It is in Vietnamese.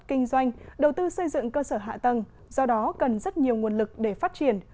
kinh doanh đầu tư xây dựng cơ sở hạ tầng do đó cần rất nhiều nguồn lực để phát triển